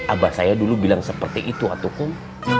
abah saya dulu bilang seperti itu tukum